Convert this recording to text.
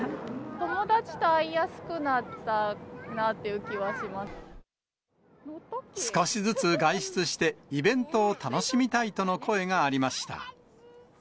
友達と会いやすくなったなっ少しずつ外出して、イベントを楽しみたいとの声がありました。